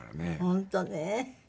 本当ね。